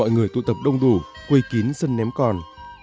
người tụ tập đông đủ quê kín sân ném còn